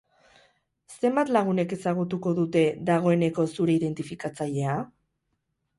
Zenbat lagunek ezagutuko dute, dagoeneko zure identifikatzailea?